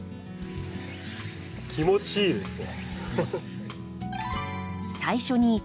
気持ちいいですね。